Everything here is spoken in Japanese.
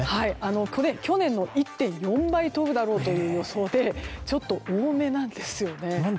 去年の１．４倍飛ぶという予想でちょっと多めなんですよね。